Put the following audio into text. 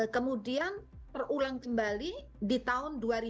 kemudian terulang kembali di tahun dua ribu dua